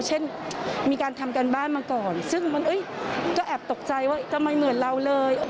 เช่นมีการทำการบ้านมาก่อนซึ่งมันก็แอบตกใจว่าทำไมเหมือนเราเลย